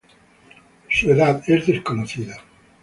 Su edad es desconocida.